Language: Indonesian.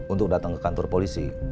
untuk datang ke kantor polisi